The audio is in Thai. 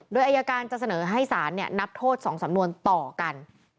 โดยอายการจะเสนอให้ศาลนับโทษ๒สำนวนต่อกัน